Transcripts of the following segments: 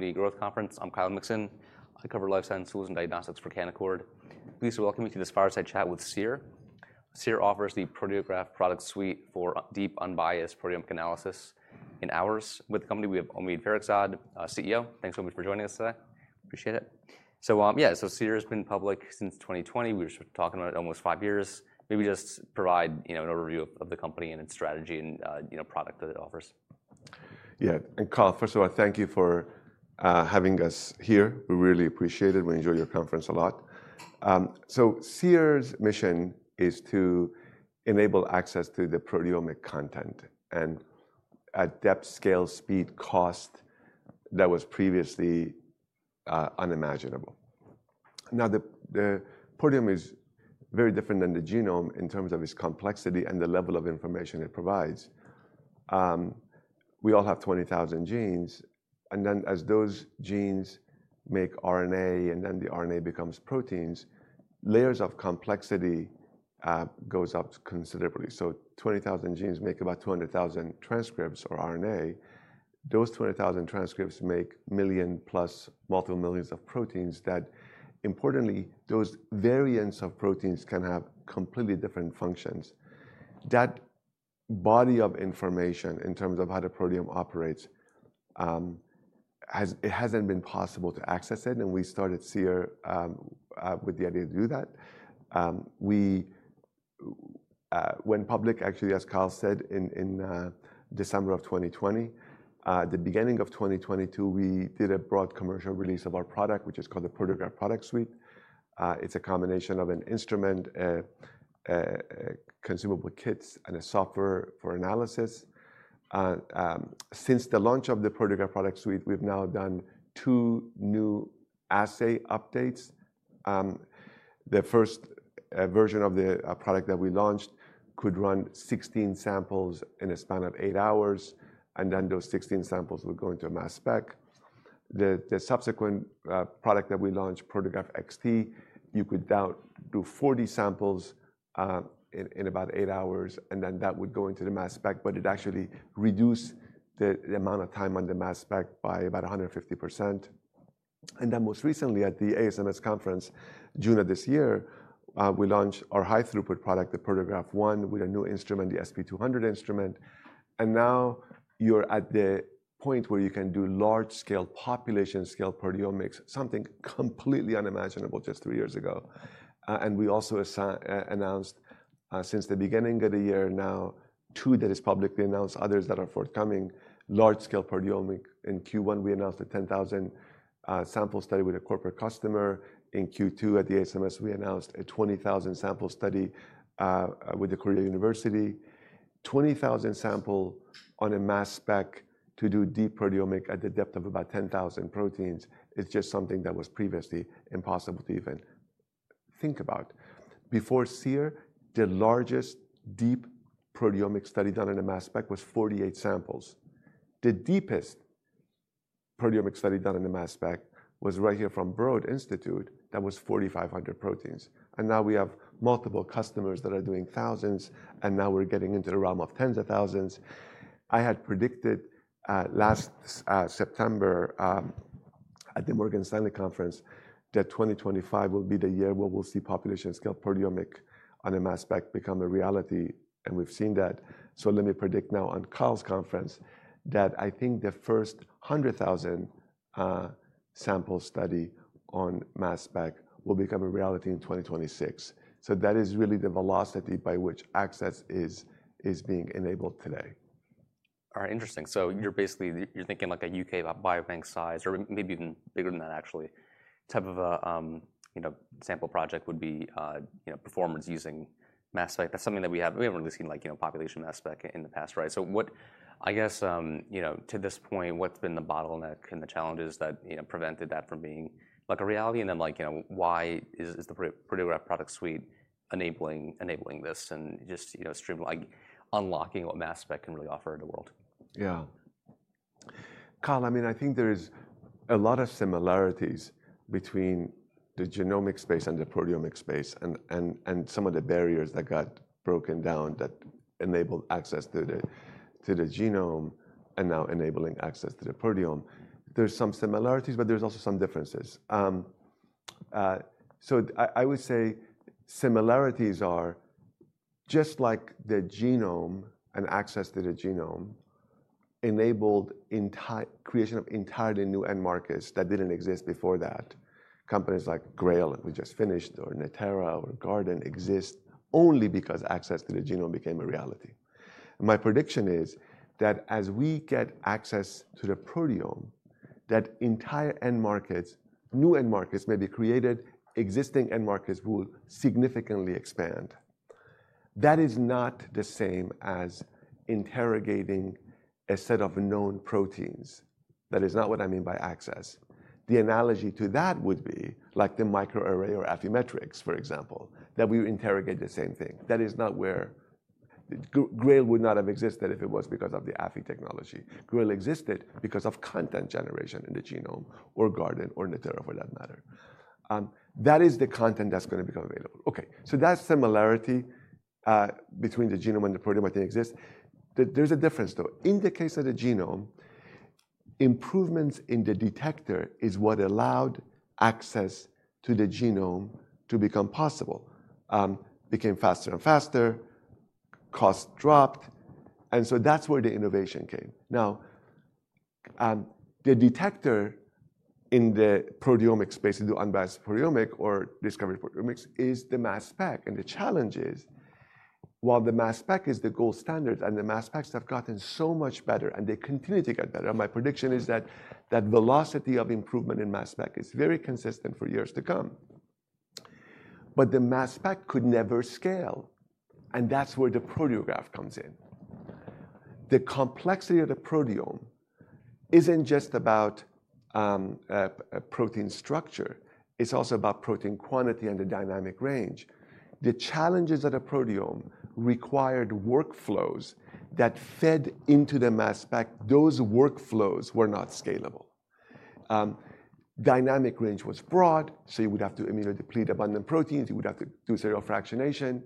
Welcome to the Growth Conference. I'm Kyle Mixon. I cover lifestyle and solution diagnostics for Canaccord. Please join me for this fireside chat with Seer. Seer offers the Proteograph Product Suite for deep, unbiased proteomic analysis. With us from the company, we have Omid Farokhzad, CEO. Thanks so much for joining us today. Appreciate it. Seer has been public since 2020. We were talking about it, almost five years. Maybe just provide an overview of the company and its strategy and product that it offers. Yeah, and Kyle, first of all, thank you for having us here. We really appreciate it. We enjoy your conference a lot. Seer’s mission is to enable access to the proteomic content and at depth, scale, speed, cost that was previously unimaginable. Now, the proteome is very different than the genome in terms of its complexity and the level of information it provides. We all have 20,000 genes, and then as those genes make RNA and then the RNA becomes proteins, layers of complexity go up considerably. So 20,000 genes make about 200,000 transcripts or RNA. Those 200,000 transcripts make a million plus, multiple millions of proteins that, importantly, those variants of proteins can have completely different functions. That body of information in terms of how the proteome operates, it hasn't been possible to access it, and we started Seer with the idea to do that. We went public, actually, as Kyle said, in December of 2020. At the beginning of 2022, we did a broad commercial release of our product, which is called the Proteograph Product Suite. It's a combination of an instrument, consumable kits, and a software for analysis. Since the launch of the Proteograph Product Suite, we've now done two new assay updates. The first version of the product that we launched could run 16 samples in a span of eight hours, and then those 16 samples would go into a mass spec. The subsequent product that we launched, Proteograph XT, you could now do 40 samples in about eight hours, and then that would go into the mass spec, but it actually reduced the amount of time on the mass spec by about 150%. Most recently, at the ASMS conference, June of this year, we launched our high throughput product, the Proteograph ONE, with a new instrument, the SP200 Instrument. Now you're at the point where you can do large scale, population scale proteomics, something completely unimaginable just three years ago. We also announced, since the beginning of the year, now two that are publicly announced, others that are forthcoming, large scale proteomic. In Q1, we announced a 10,000 sample study with a corporate customer. In Q2 at the ASMS, we announced a 20,000 sample study with Korea University. 20,000 samples on a mass spec to do deep proteomics at the depth of about 10,000 proteins is just something that was previously impossible to even think about. Before Seer, the largest deep proteomic study done in a mass spec was 48 samples. The deepest proteomic study done in a mass spec was right here from Broad Institute. That was 4,500 proteins. Now we have multiple customers that are doing thousands, and now we're getting into the realm of tens of thousands. I had predicted last September at the Morgan Stanley Conference that 2025 will be the year where we'll see population scale proteomics on a mass spec become a reality, and we've seen that. I will predict now on Kyle's conference that I think the first 100,000 sample study on mass spec will become a reality in 2026. That is really the velocity by which access is being enabled today. All right, interesting. You're basically thinking like a U.K., Biobank size, or maybe even bigger than that, actually, type of a sample project would be performance using mass spec. That's something that we haven't really seen, like population mass spec in the past, right? To this point, what's been the bottleneck and the challenges that prevented that from being a reality? Why is the Proteograph Product Suite enabling this and just streamlining, unlocking what mass spec can really offer the world? Yeah. Kyle, I mean, I think there are a lot of similarities between the genomic space and the proteomic space and some of the barriers that got broken down that enabled access to the genome and now enabling access to the proteome. There are some similarities, but there are also some differences. I would say similarities are just like the genome and access to the genome enabled the creation of entirely new end markets that didn't exist before that. Companies like Grail, that we just finished, or Natera or Guardant exist only because access to the genome became a reality. My prediction is that as we get access to the proteome, that entire end markets, new end markets may be created, existing end markets will significantly expand. That is not the same as interrogating a set of known proteins. That is not what I mean by access. The analogy to that would be like the microarray or Affymetrix, for example, that we interrogate the same thing. That is not where Grail would not have existed if it was because of the Affy technology. Grail existed because of content generation in the genome or Guardant or Natera, for that matter. That is the content that's going to become available. Okay, so that's similarity, between the genome and the proteome that exist. There's a difference, though. In the case of the genome, improvements in the detector is what allowed access to the genome to become possible. Became faster and faster, costs dropped, and that's where the innovation came. Now, the detector in the proteomic space to do unbiased proteomic or discovery proteomics is the mass spec, and the challenge is, while the mass spec is the gold standard, and the mass specs have gotten so much better, and they continue to get better, my prediction is that that velocity of improvement in mass spec is very consistent for years to come. The mass spec could never scale, and that's where the Proteograph comes in. The complexity of the proteome isn't just about protein structure. It's also about protein quantity and the dynamic range. The challenges of the proteome required workflows that fed into the mass spec. Those workflows were not scalable. Dynamic range was broad, so you would have to immunodeplete abundant proteins. You would have to do serial fractionation.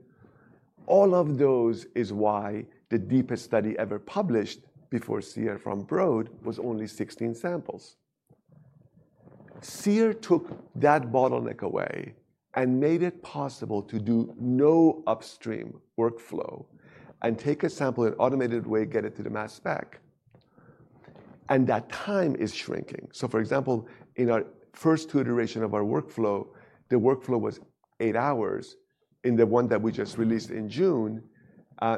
All of those is why the deepest study ever published before Seer from Broad was only 16 samples. Seer took that bottleneck away and made it possible to do no upstream workflow and take a sample in an automated way, get it to the mass spec. That time is shrinking. For example, in our first two iterations of our workflow, the workflow was eight hours. In the one that we just released in June,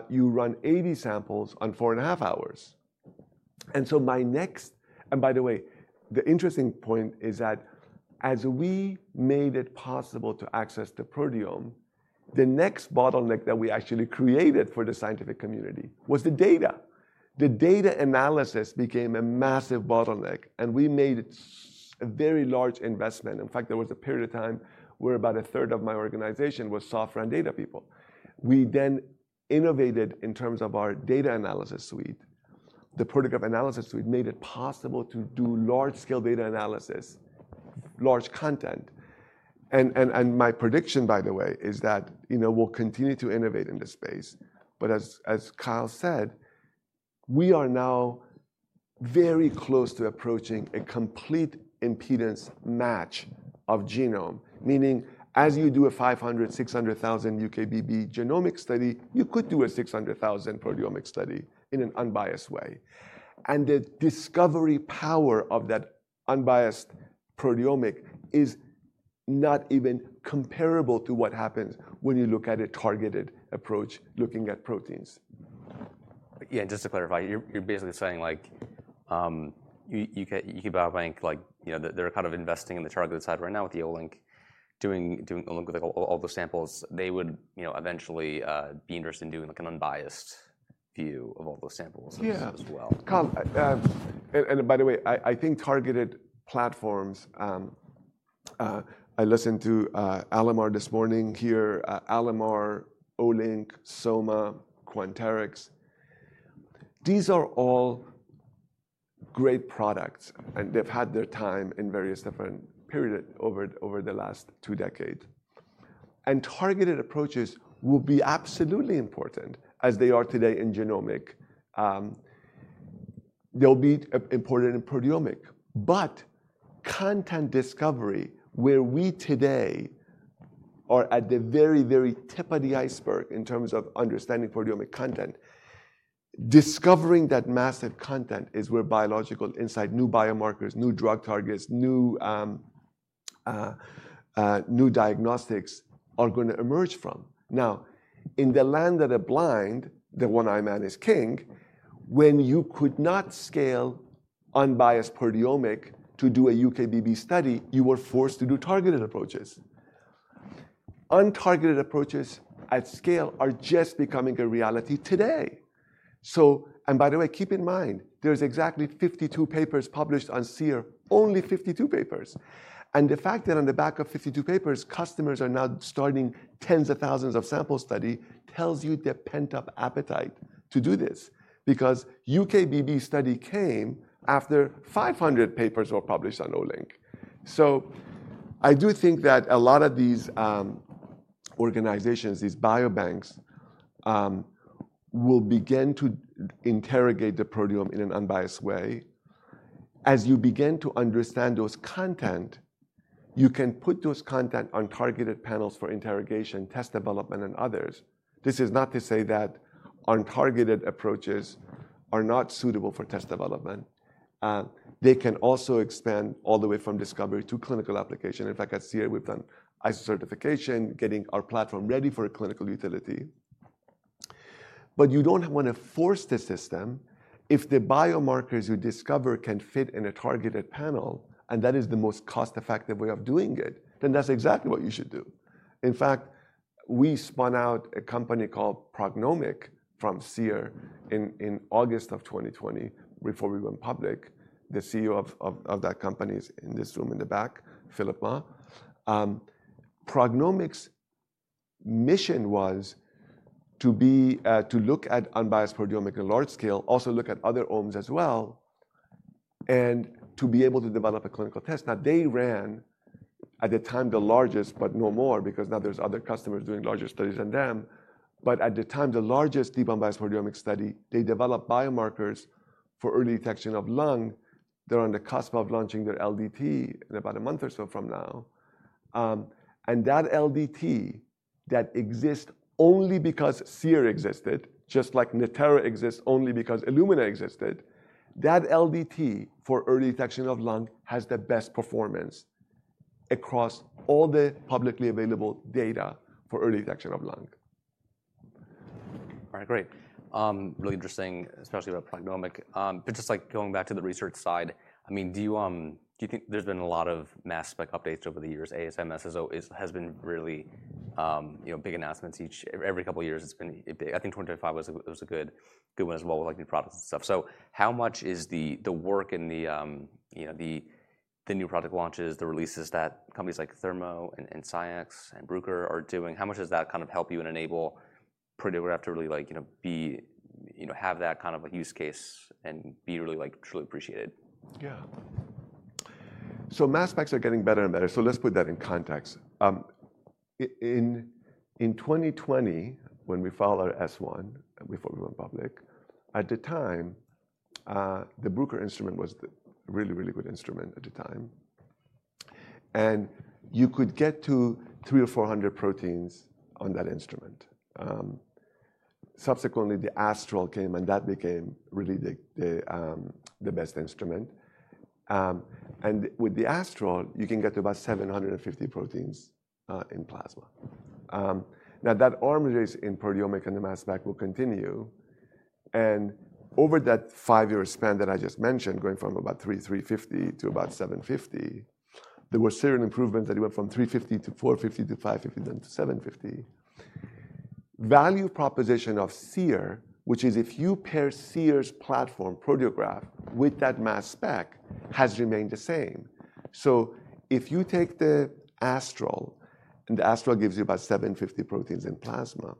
you run 80 samples in 4.5 hours. The interesting point is that as we made it possible to access the proteome, the next bottleneck that we actually created for the scientific community was the data. The data analysis became a massive bottleneck, and we made a very large investment. In fact, there was a period of time where about a third of my organization was software and data people. We then innovated in terms of our data analysis suite. The Proteograph Analysis Suite made it possible to do large-scale data analysis, large content. My prediction, by the way, is that we'll continue to innovate in this space. As Kyle said, we are now very close to approaching a complete impedance match of genome, meaning as you do a 500,000, 600,000 UKBB genomic study, you could do a 600,000 proteomic study in an unbiased way. The discovery power of that unbiased proteomic is not even comparable to what happens when you look at a targeted approach looking at proteins. Yeah, just to clarify, you're basically saying like you could buy a bank, like, you know, they're kind of investing in the targeted side right now with the Olink, doing Olink with all the samples. They would eventually be interested in doing like an unbiased view of all those samples as well. Yeah, Kyle, and by the way, I think targeted platforms, I listened to Alamar this morning here, Alamar, Olink, Soma, Quanterix, these are all great products, and they've had their time in various different periods over the last two decades. Targeted approaches will be absolutely important as they are today in genomics. They'll be important in proteomics, but content discovery, where we today are at the very, very tip of the iceberg in terms of understanding proteomic content, discovering that massive content is where biological insight, new biomarkers, new drug targets, new diagnostics are going to emerge from. In the land of the blind, the one-eyed man is king. When you could not scale unbiased proteomics to do a UKBB study, you were forced to do targeted approaches. Untargeted approaches at scale are just becoming a reality today. By the way, keep in mind, there's exactly 52 papers published on Seer, only 52 papers. The fact that on the back of 52 papers, customers are now starting tens of thousands of sample studies tells you the pent-up appetite to do this because UKBB studies came after 500 papers were published on Olink. I do think that a lot of these organizations, these biobanks, will begin to interrogate the proteome in an unbiased way. As you begin to understand those content, you can put those content on targeted panels for interrogation, test development, and others. This is not to say that untargeted approaches are not suitable for test development. They can also expand all the way from discovery to clinical application. In fact, at Seer, we've done ISO certification, getting our platform ready for clinical utility. You don't want to force the system. If the biomarkers you discover can fit in a targeted panel, and that is the most cost-effective way of doing it, then that's exactly what you should do. In fact, we spun out a company called PrognomiQ from Seer in August of 2020 before we went public. The CEO of that company is in this room in the back, Philip Ma. PrognomiQ's mission was to look at unbiased proteomics at large scale, also look at other omics as well, and to be able to develop a clinical test. They ran at the time the largest, but no more, because now there's other customers doing larger studies than them. At the time, the largest deep, unbiased proteomics study, they developed biomarkers for early detection of lung. They're on the cusp of launching their LDT in about a month or so from now. That LDT exists only because Seer existed, just like Natera exists only because Illumina existed. That LDT for early detection of lung has the best performance across all the publicly available data for early detection of lung. All right, great. Really interesting, especially about PrognomiQ. Just going back to the research side, do you think there's been a lot of mass spec updates over the years? ASMS has been really big announcements every couple of years. I think 2025 was a good one as well with new products and stuff. How much is the work and the new product launches, the releases that companies like Thermo, and SCIEX and Bruker are doing, how much does that kind of help you and enable Proteograph to really have that kind of use case and be truly appreciated? Yeah. Mass specs are getting better and better. Let's put that in context. In 2020, when we filed our S-1 before we went public, at the time, the Bruker instrument was a really, really good instrument. You could get to 300 or 400 proteins on that instrument. Subsequently, the Astral came and that became really the best instrument. With the Astral, you can get to about 750 proteins in plasma. That arms race in proteomics and the mass spec will continue. Over that five-year span that I just mentioned, going from about 300, 350 to about 750, there were serial improvements that went from 350 to 450 to 550 then to 750. The value proposition of Seer, which is if you pair Seer's platform Proteograph with that mass spec, has remained the same. If you take the Astral, the Astral gives you about 750 proteins in plasma.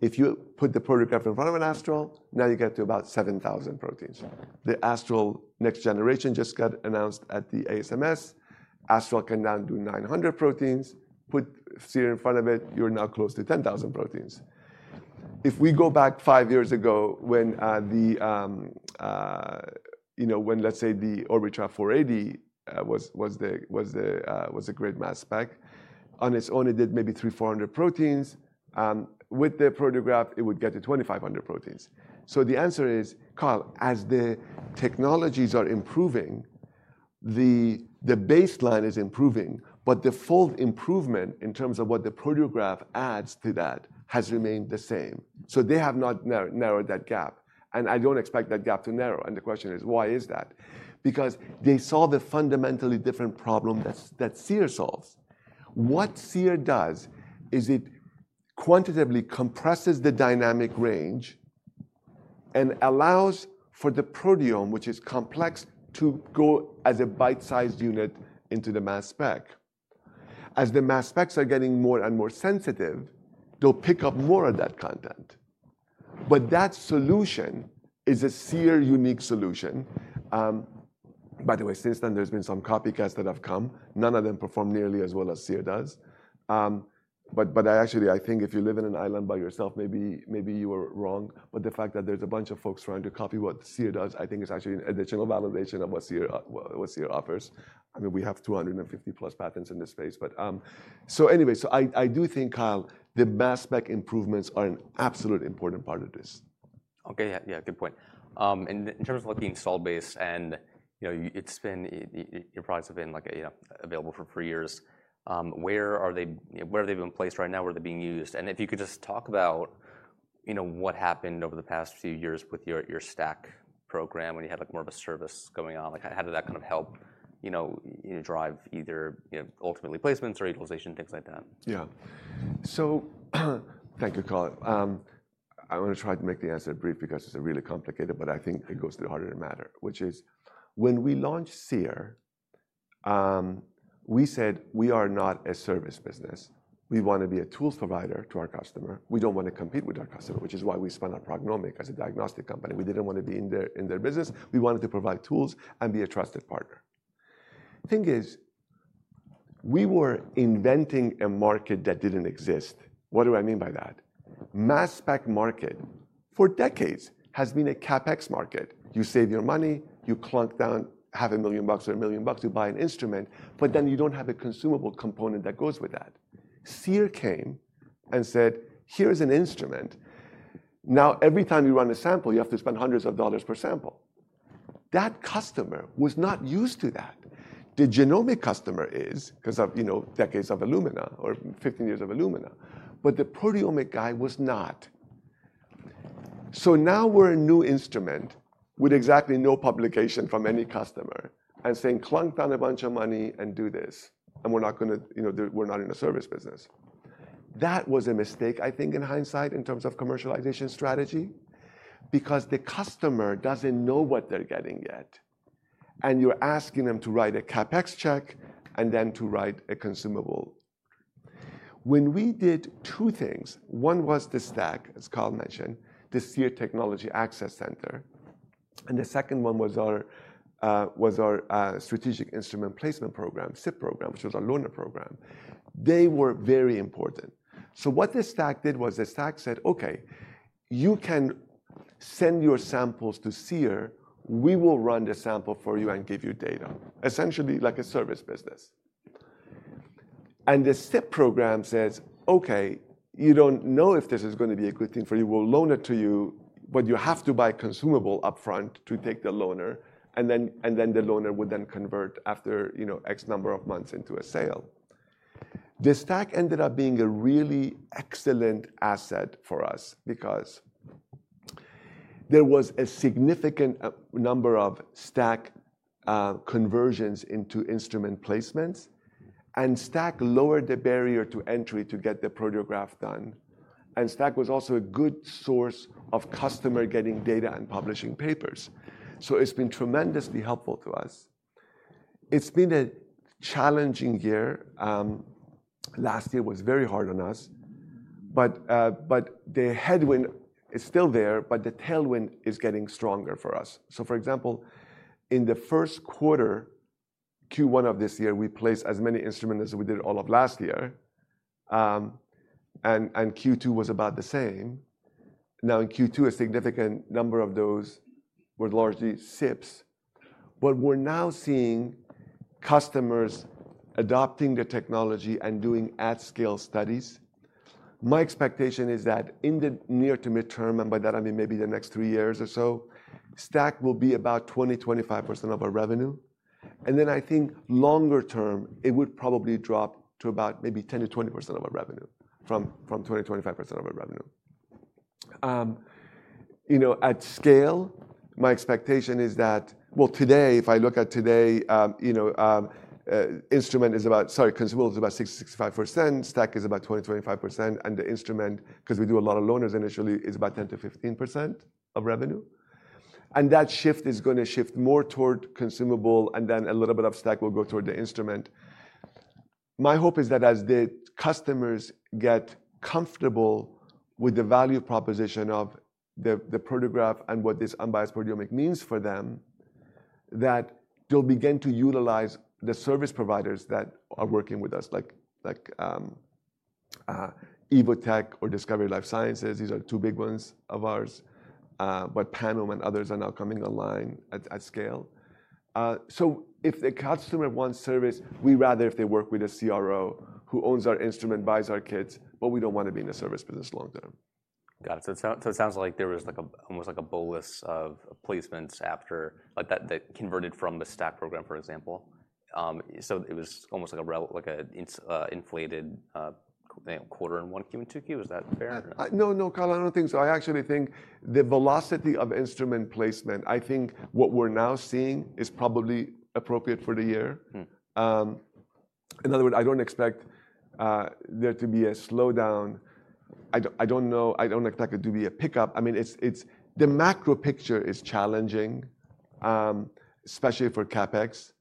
If you put the Proteograph in front of an Astral, now you get to about 7,000 proteins. The Astral next generation just got announced at the ASMS. Astral can now do 900 proteins. Put Seer in front of it, you're now close to 10,000 proteins. If we go back five years ago when, let's say, the Orbitrap 480 was a great mass spec, on its own it did maybe 300, 400 proteins. With the Proteograph, it would get to 2,500 proteins. The answer is, Kyle, as the technologies are improving, the baseline is improving, but the full improvement in terms of what the Proteograph adds to that has remained the same. They have not narrowed that gap. I don't expect that gap to narrow. The question is, why is that? Because they solve the fundamentally different problem that Seer solves. What Seer does is it quantitatively compresses the dynamic range and allows for the proteome, which is complex, to go as a bite-sized unit into the mass spec. As the mass specs are getting more and more sensitive, they'll pick up more of that content. That solution is a Seer unique solution. By the way, since then, there's been some copycats that have come. None of them perform nearly as well as Seer does. I think if you live in an island by yourself, maybe you were wrong. The fact that there's a bunch of folks trying to copy what Seer does, I think is actually an additional validation of what Seer offers. We have 250+ patents in this space. I do think, Kyle, the mass spec improvements are an absolute important part of this. Okay, yeah, good point. In terms of being cell-based and, you know, your products have been available for three years. Where are they, where have they been placed right now? Where are they being used? If you could just talk about what happened over the past few years with your stack program when you had more of a service going on, how did that kind of help drive either ultimately placements or equalization, things like that? Yeah, so thank you, Kyle. I'm going to try to make the answer brief because it's really complicated, but I think it goes to the heart of the matter, which is when we launched Seer., we said we are not a service business. We want to be a tools provider to our customer. We don't want to compete with our customer, which is why we spun out PrognomiQ as a diagnostic company. We didn't want to be in their business. We wanted to provide tools and be a trusted partner. The thing is, we were inventing a market that didn't exist. What do I mean by that? Mass spec market for decades has been a CapEx market. You save your money, you clunk down $500,000 or $1 million to buy an instrument, but then you don't have a consumable component that goes with that. Seer came and said, here's an instrument. Now, every time you run a sample, you have to spend hundreds of dollars per sample. That customer was not used to that. The genomic customer is, because of, you know, decades of Illumina or 15 years of Illumina, but the proteomic guy was not. Now we're a new instrument with exactly no publication from any customer and saying, clunk down a bunch of money and do this, and we're not going to, you know, we're not in a service business. That was a mistake, I think, in hindsight in terms of commercialization strategy, because the customer doesn't know what they're getting yet. You're asking them to write a CapEx check and then to write a consumable. When we did two things, one was the stack, as Kyle mentioned, the Seer Technology Access Center, and the second one was our Strategic Instrument Placement, SIP, program, which was our loaner program. They were very important. What the stack did was the stack said, okay, you can send your samples to Seer. We will run the sample for you and give you data, essentially like a service business. The SIP program says, okay, you don't know if this is going to be a good thing for you, we'll loan it to you, but you have to buy consumable upfront to take the loaner, and then the loaner would then convert after, you know, X number of months into a sale. The stack ended up being a really excellent asset for us because there was a significant number of stack conversions into instrument placements, and stack lowered the barrier to entry to get the Proteograph done. Stack was also a good source of customer getting data and publishing papers. It's been tremendously helpful to us. It's been a challenging year. Last year was very hard on us, the headwind is still there, but the tailwind is getting stronger for us. For example, in the first quarter, Q1 of this year, we placed as many instruments as we did all of last year, and Q2 was about the same. In Q2, a significant number of those were largely SIPs, but we're now seeing customers adopting the technology and doing at-scale studies. My expectation is that in the near to mid-term, and by that I mean maybe the next three years or so, stack will be about 20%-25% of our revenue. I think longer term, it would probably drop to about maybe 10%-20% of our revenue, from 20%-25% of our revenue. At scale, my expectation is that, today, if I look at today, instrument is about, sorry, consumable is about 60%-65%, stack is about 20%-25%, and the instrument, because we do a lot of loaners initially, is about 10%-15% of revenue. That shift is going to shift more toward consumable, and then a little bit of stack will go toward the instrument. My hope is that as the customers get comfortable with the value proposition of the Proteograph and what this unbiased proteomic means for them, they'll begin to utilize the service providers that are working with us, like Evotec or Discovery Life Sciences. These are two big ones of ours, but Pamom and others are now coming online at scale. If the customer wants service, we'd rather if they work with a CRO who owns our instrument, buys our kits, but we don't want to be in the service business long term. Got it. It sounds like there was almost like a bolus of placements that converted from the stack program, for example. It was almost like an inflated quarter in Q1 and Q2. Is that fair? No, no, Kyle, I don't think so. I actually think the velocity of instrument placement, I think what we're now seeing is probably appropriate for the year. In other words, I don't expect there to be a slowdown. I don't know. I don't expect it to be a pickup. I mean, the macro picture is challenging, especially for CapEx,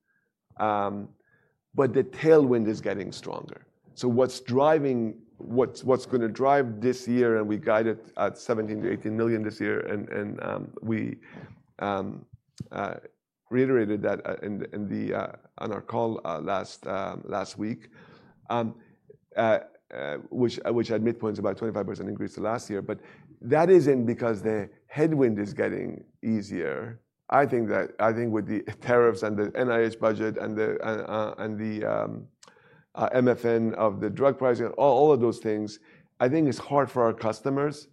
but the tailwind is getting stronger. What's driving, what's going to drive this year, and we guided at $17 million-$18 million this year, and we reiterated that on our call last week, which I admit points to about a 25% increase to last year, but that isn't because the headwind is getting easier. I think with the tariffs and the NIH budget and the MFN of the drug pricing, all of those things, I think it's hard for our customers,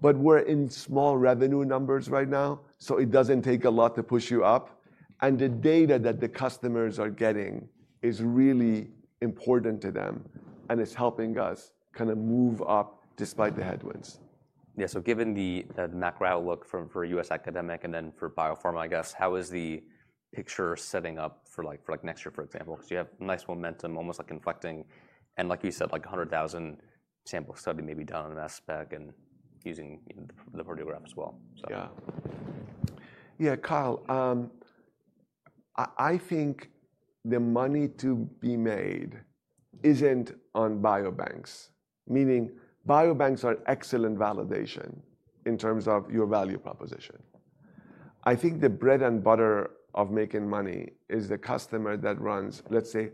but we're in small revenue numbers right now, so it doesn't take a lot to push you up. The data that the customers are getting is really important to them, and it's helping us kind of move up despite the headwinds. Yeah, so given the macro outloo,k for a U.S. academic and then for biopharma, I guess, how is the picture setting up for like next year, for example? Because you have nice momentum, almost like inflecting, and like you said, like a 100,000 sample study maybe done on an aspect and using the Proteograph as well. Yeah, yeah, Kyle, I think the money to be made isn't on biobanks, meaning biobanks are excellent validation in terms of your value proposition. I think the bread and butter of making money is the customer that runs, let's say,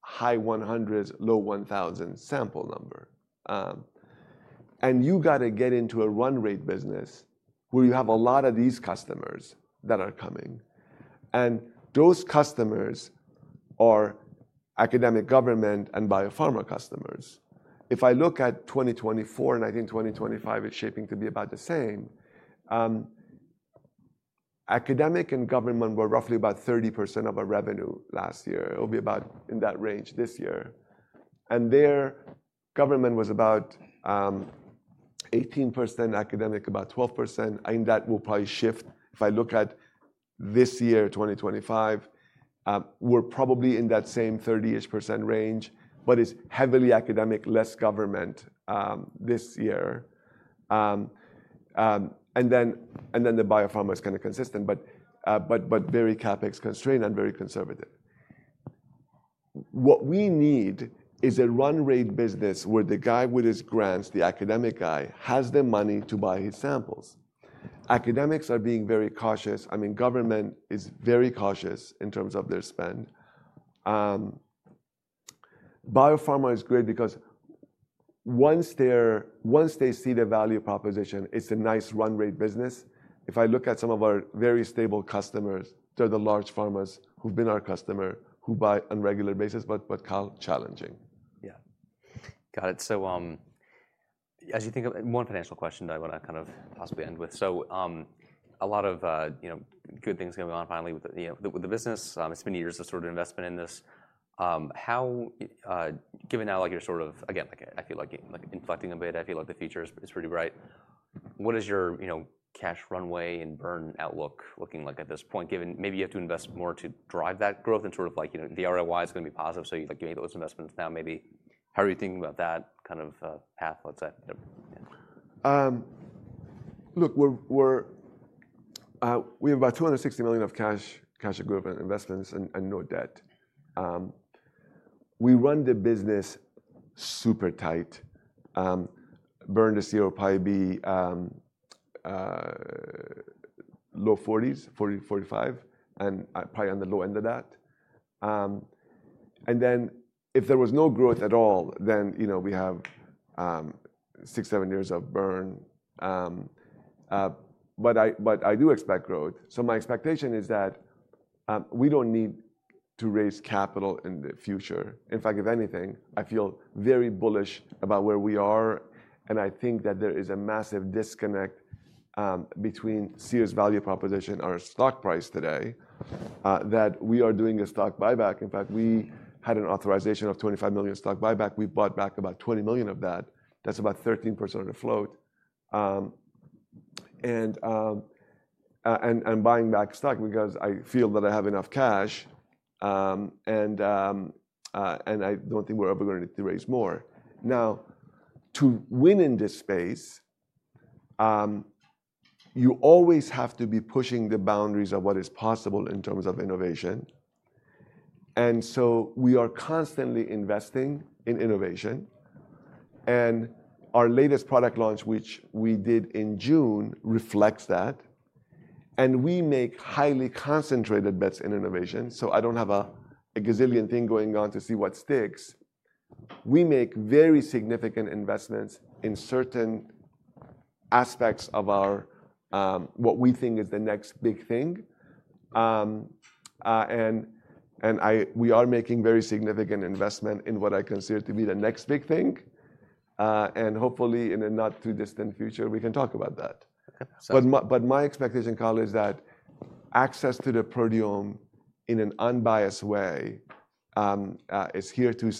high 100s, low 1,000 sample number. You got to get into a run rate business where you have a lot of these customers that are coming. Those customers are academic, government, and biopharma customers. If I look at 2024, and I think 2025 is shaping to be about the same, academic and government were roughly about 30% of our revenue last year. It'll be about in that range this year. Government was about 18%, academic about 12%. I think that will probably shift. I look at this year, 2025, we're probably in that same 30% range, but it's heavily academic, less government this year. Biopharma is kind of consistent, but very CapEx constrained and very conservative. What we need is a run rate business where the guy with his grants, the academic guy, has the money to buy his samples. Academics are being very cautious. Government is very cautious in terms of their spend. Biopharma is great because once they see the value proposition, it's a nice run rate business. If I look at some of our very stable customers, they're the large pharmas who've been our customer, who buy on a regular basis, but Kyle, challenging. Got it. As you think of one financial question that I want to possibly end with, a lot of good things going on finally with the business. It's been years of investment in this. Given now like you're sort of, again, like I feel like inflecting a bit, I feel like the future is pretty bright. What is your cash runway and burn outlook looking like at this point, given maybe you have to invest more to drive that growth and the ROI is going to be positive, so you're giving those investments now maybe. How are you thinking about that kind of path? Look, we have about $260 million of cash equivalent investments and no debt. We run the business super tight. Burn to CRO will probably be low 40s, $40 million, $45 million, and probably on the low end of that. If there was no growth at all, then you know we have six, seven years of burn. I do expect growth. My expectation is that we don't need to raise capital in the future. In fact, if anything, I feel very bullish about where we are. I think that there is a massive disconnect between Seer's value proposition and our stock price today, that we are doing a stock buyback. In fact, we had an authorization of $25 million stock buyback. We bought back about $20 million of that. That's about 13% of the float. I'm buying back stock because I feel that I have enough cash. I don't think we're ever going to need to raise more. To win in this space, you always have to be pushing the boundaries of what is possible in terms of innovation. We are constantly investing in innovation. Our latest product launch, which we did in June, reflects that. We make highly concentrated bets in innovation. I don't have a gazillion things going on to see what sticks. We make very significant investments in certain aspects of what we think is the next big thing. We are making very significant investments in what I consider to be the next big thing. Hopefully, in the not-too-distant future, we can talk about that. My expectation, Kyle, is that access to the proteome in an unbiased way is here too.